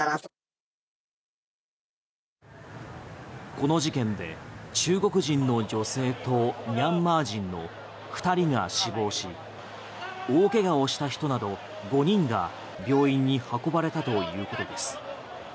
この事件で中国人の女性とミャンマー人の２人が死亡し大けがをした人など５人が病院に運ばれたということです。